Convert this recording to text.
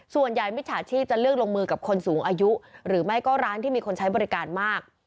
มิจฉาชีพจะเลือกลงมือกับคนสูงอายุหรือไม่ก็ร้านที่มีคนใช้บริการมาก